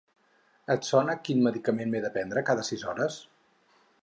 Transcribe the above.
Et sona quin medicament m'he de prendre cada sis hores?